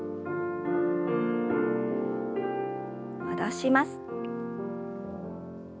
戻します。